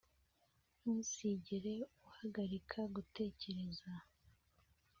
ntuzigere uhagarika gutekereza